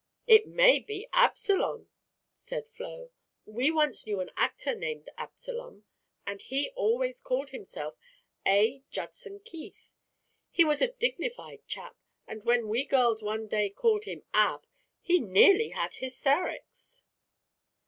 "It may be 'Absalom,'" said Flo. "We once knew an actor named Absalom, and he always called himself 'A. Judson Keith.' He was a dignified chap, and when we girls one day called him 'Ab,' he nearly had hysterics."